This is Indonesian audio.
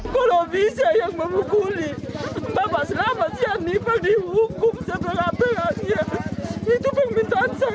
kalau bisa yang memukul bapak selamat sianipar dihukum seberat beratnya itu permintaan saya pak